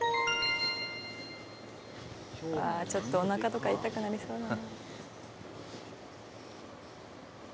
ちょっとおなかとか痛くなりそうだな。